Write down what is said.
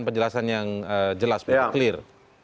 penjelasan yang jelas itu clear